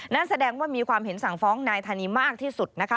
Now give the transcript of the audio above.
นั่นแสดงว่ามีความเห็นสั่งฟ้องนายธานีมากที่สุดนะคะ